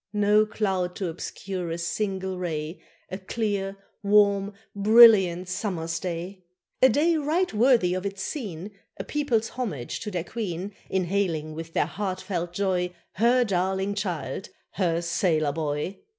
No cloud to obscure a single ray, A clear, warm, brilliant summer's day. A day right worthy of its scene, A people's homage to their Queen, In hailing with their heartfelt joy Her darling child her sailor boy!